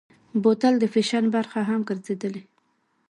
بوتل د فیشن برخه هم ګرځېدلې.